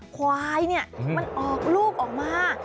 ควายเนี่ยมันออกลูกออกมา